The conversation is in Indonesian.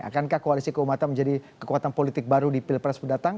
akankah koalisi keumatan menjadi kekuatan politik baru di pilpres mendatang